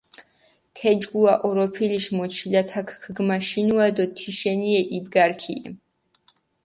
თეჯგუა ჸოროფილიშ მოჩილათაქ ქჷგმაშინუა დო თიშენიე იბგარქიე.